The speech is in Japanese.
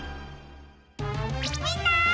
みんな！